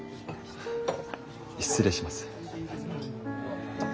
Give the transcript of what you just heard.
失礼します。